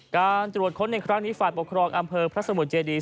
การตรวจค้นในครั้งนี้ฝ่ายปกครองอำเภอพระสมุทรเจดี